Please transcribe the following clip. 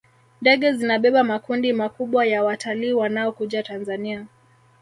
ndege zinabeba makundi makubwa ya watalii wanaokuja tanzania